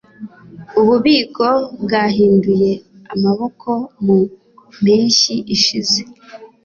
ububiko bwahinduye amaboko mu mpeshyi ishize